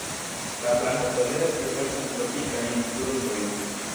La planto toleras diversajn tropikajn grundojn.